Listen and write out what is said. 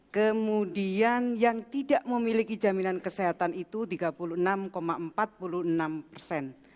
kemudian yang tidak memiliki jaminan kesehatan itu tiga puluh enam empat puluh enam persen